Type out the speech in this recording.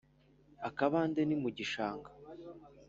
akabande ni mu gishanga